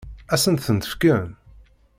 Ad sent-tent-fken?